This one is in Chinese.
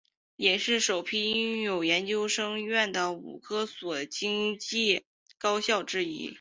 也是首批拥有研究生院的五所财经高校之一。